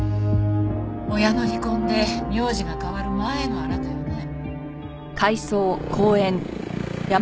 親の離婚で名字が変わる前のあなたよね。